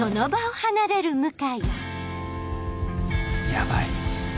ヤバい